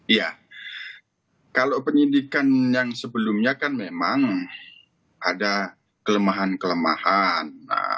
iya kalau penyidikan yang sebelumnya kan memang ada kelemahan kelemahan